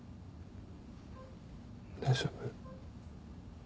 大丈夫？